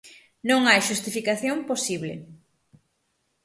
Non hai xustificación posible.